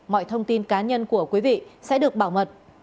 mọi thông tin cá nhân của quý vị sẽ được bảo mật